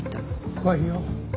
怖いよ。